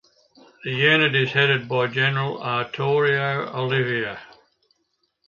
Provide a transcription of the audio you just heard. The unit is headed by General Arturo Olivar.